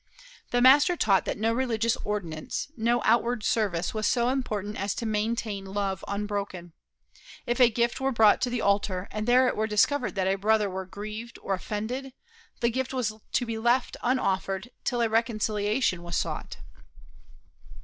The Master taught that no religious ordinance, no outward service, was so important as to maintain love unbroken. If a gift were brought to the altar, and there it were discovered that a brother were grieved or offended, the gift was to be left unoffered till a reconciliation was sought.